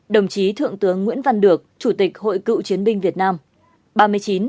ba mươi tám đồng chí thượng tướng nguyễn văn được chủ tịch hội cựu chiến binh việt nam